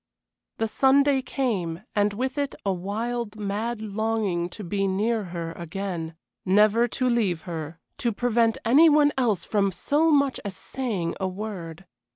The Sunday came, and with it a wild, mad longing to be near her again never to leave her, to prevent any one else from so much as saying a word.